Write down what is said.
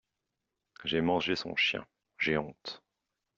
J'ai mangé son chien, j'ai honte.